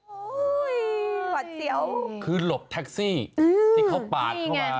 อุ๊ยหวัดเสียวคือหลบแท็กซี่อืมที่เขาปาดเข้ามานี่ไง